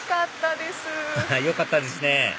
よかったですね！